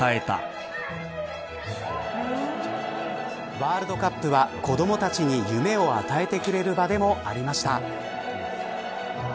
ワールドカップは子どもたちに夢を与えてくれる場でもありました。